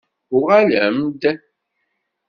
Uɣalem-d!